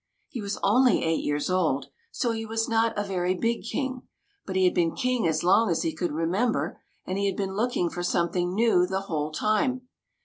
He was only eight years old, so he was not a very big King ; but he had been King as long as he could remember, and he had been looking for some thing new the whole time.